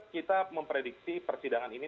kita memprediksi persidangan ini